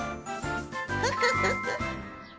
フフフフ。